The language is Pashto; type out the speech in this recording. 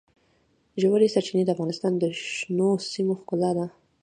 ژورې سرچینې د افغانستان د شنو سیمو ښکلا ده.